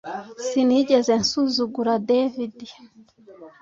Sinigeze nsuzugura David